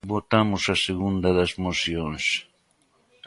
Votamos a segunda das mocións.